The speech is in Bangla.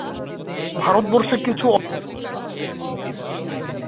ভারতবর্ষে কিছু অর্থ-সংগ্রহের আশা এখনও আমি রাখি।